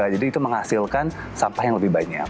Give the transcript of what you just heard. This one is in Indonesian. jadi itu menghasilkan sampah yang lebih banyak